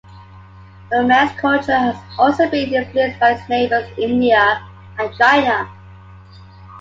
Burmese culture has also been influenced by its neighbours India, and China.